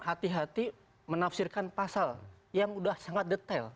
hati hati menafsirkan pasal yang sudah sangat detail